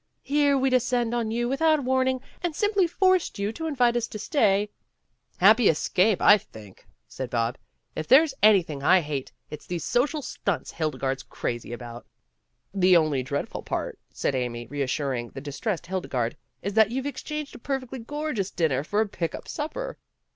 Here we descended on you without warning and simply forced you to invite us to stay " WHAT'S IN A NAME? 17 "Happy escape, I think," said Bob. "If there's anything I hate, it's these social stunts Hildegarde 's crazy about." "The only dreadful part," said Amy, reas suring the distressed Hildegarde, "is that you've exchanged a perfectly gorgeous dinner for a pick up supper."